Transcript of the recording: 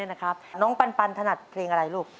น้องปันถนัดเพลงอะไรลูก